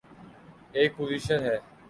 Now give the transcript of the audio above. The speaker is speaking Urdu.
ایک پوزیشن ہے۔